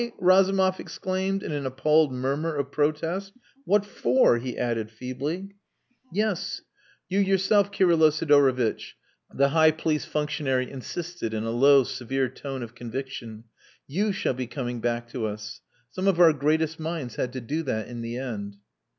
Razumov exclaimed in an appalled murmur of protest. "What for?" he added feebly. "Yes! You yourself, Kirylo Sidorovitch," the high police functionary insisted in a low, severe tone of conviction. "You shall be coming back to us. Some of our greatest minds had to do that in the end."